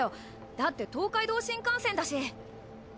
だって東海道新幹線だし。